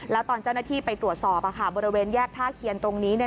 แล้วตอนเจ้าหน้าที่ไปตรวจสอบบริเวณแยกท่าเคียนตรงนี้